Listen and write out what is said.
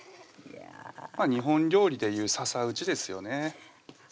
日本料理でいうささ打ちですよね